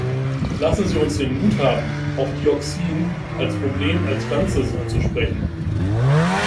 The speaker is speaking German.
Lassen Sie uns den Mut haben, auch Dioxin als Problem als Ganzes anzusprechen.